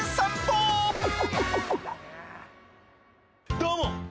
どうも！